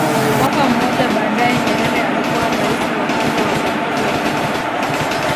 Mwaka mmoja baadae Nyerere alikuwa raisi wa kwanza wa jamhuri ya Tanganyika